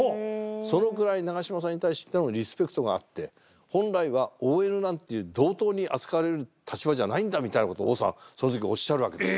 そのくらい長嶋さんに対してのリスペクトがあって本来はＯＮなんていう同等に扱われる立場じゃないんだみたいなことを王さんはそのときおっしゃるわけです。